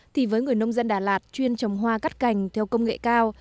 thì với người nông dân đà lạt chuyên trồng hoa cắt cành theo công nghệ cao